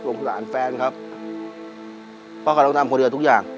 เปลี่ยนเพลงเพลงเก่งของคุณและข้ามผิดได้๑คำ